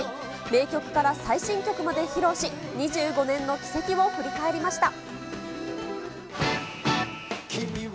名曲から最新曲まで披露し、２５年の軌跡を振り返りました。